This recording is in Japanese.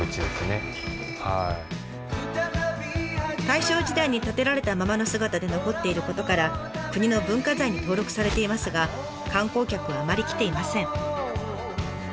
大正時代に建てられたままの姿で残っていることから国の文化財に登録されていますが観光客はあまり来ていません。